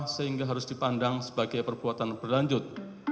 sehingga harus dipandang sebagai perbuatan berlanjut